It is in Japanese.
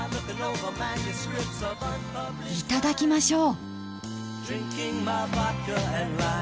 いただきましょう！